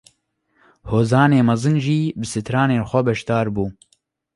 Hozanê mezin jî bi stranên xwe beşdar bû